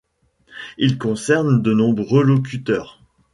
Il concerne de nombreux locuteurs.